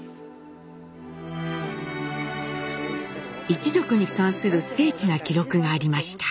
一族に関する精緻な記録がありました。